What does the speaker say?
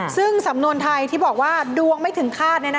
ซึ่งสำนวนไทยที่บอกว่าดวงไม่ถึงคาด